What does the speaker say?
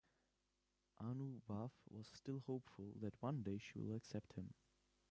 Anubhav was still hopeful that one day she will accept him.